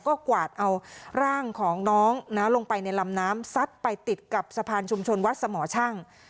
ก็กวาดเอาร่างของน้องลงไปในลำน้ำซัดไปติดกับสะพานชุมชนวัดสมชั่ง